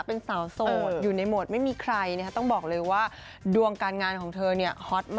เป็นสาวโซ่อยู่ในหมวดไม่มีใครเนี่ย